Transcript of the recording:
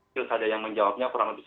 tidak ada yang menjawabnya